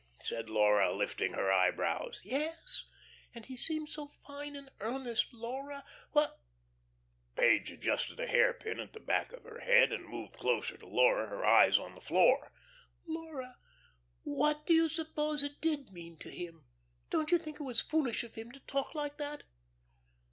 said Laura, lifting her eyebrows. "Yes, and he seemed so fine and earnest. Laura, wh " Page adjusted a hairpin at the back of her head, and moved closer to Laura, her eyes on the floor. "Laura what do you suppose it did mean to him don't you think it was foolish of him to talk like that?"